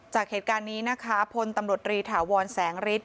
จากเหตุการณ์นี้นะคะพลตำรวจรีถาวรแสงฤทธิ